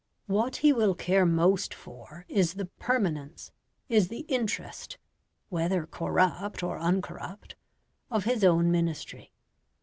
What he will care most for is the permanence, is the interest whether corrupt or uncorrupt of his own Ministry.